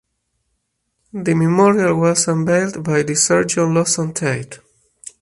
The memorial was unveiled by the surgeon Lawson Tait.